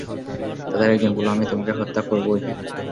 তাদের একজন বলল, আমি তোমাকে হত্যা করব-ই।